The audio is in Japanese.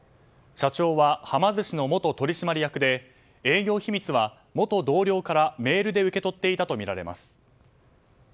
社長は、はま寿司の元取締役で営業秘密は元同僚からメールで受け取っていたとみられます。